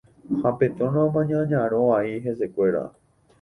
ha Petrona omaña ñarõ vai hesekuéra